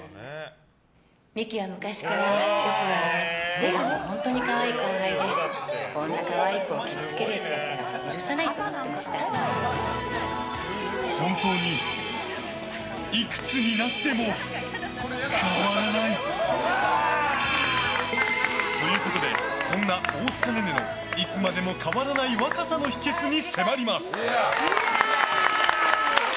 ミキは昔からよく笑い本当に可愛い後輩でこんな可愛いやつを傷つけるやつは本当にいくつになっても変わらない！ということで、そんな大塚寧々のいつまでも変わらない若さの秘訣に迫ります！